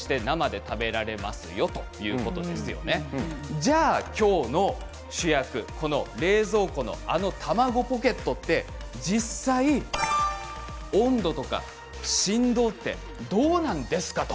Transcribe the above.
じゃあ今日の主役この冷蔵庫のあの卵ポケットって実際、温度とか振動ってどうなんですかと。